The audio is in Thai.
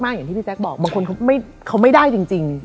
อย่างที่พี่แจ๊คบอกบางคนเขาไม่ได้จริง